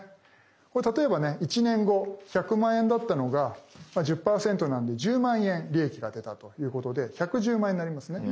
これ例えばね１年後１００万円だったのが１０％なので１０万円利益が出たということで１１０万円になりますね。